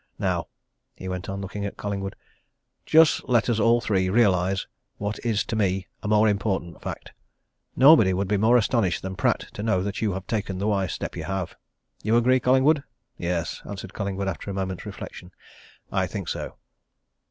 Now," he went on, looking at Collingwood, "just let us all three realize what is to me a more important fact. Nobody would be more astonished than Pratt to know that you have taken the wise step you have. You agree, Collingwood?" "Yes!" answered Collingwood, after a moment's reflection. "I think so."